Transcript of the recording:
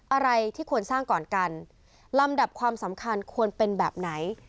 อะไรที่ควรสร้างก่อนกันลำดับความสำคัญควรเป็นแบบไหน